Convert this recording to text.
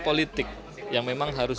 memilih adalah bentuk ekspresi